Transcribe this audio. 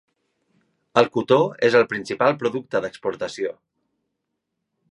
El cotó és el principal producte d'exportació.